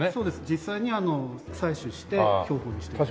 実際に採取して標本にしてます。